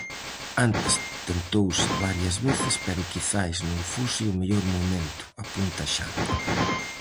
"Antes tentouse varias veces pero quizais non fose o mellor momento", apunta Xan.